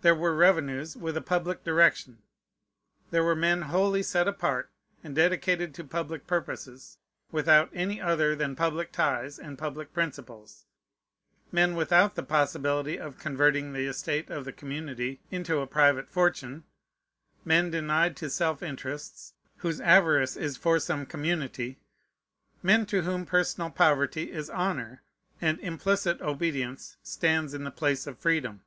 There were revenues with a public direction; there were men wholly set apart and dedicated to public purposes, without any other than public ties and public principles, men without the possibility of converting the estate of the community into a private fortune, men denied to self interests, whose avarice is for some community, men to whom personal poverty is honor, and implicit obedience stands in the place of freedom.